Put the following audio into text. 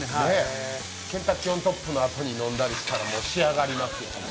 ケンタッキーＯｎＴｏｐのあとに飲んだりしたら仕上がりますよ。